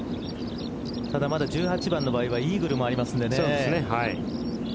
１８番の場合はイーグルもありますのでね。